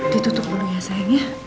ditutup dulu ya sayangnya